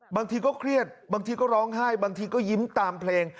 บางทีก็เครียดบางทีก็ร้องไห้บางทีก็ยิ้มตามเพลง